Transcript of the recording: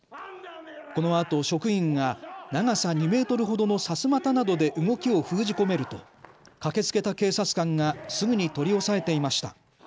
このあと職員が長さ２メートルほどのさすまたなどで動きを封じ込めると駆けつけた警察官がすぐに取り押さえていました。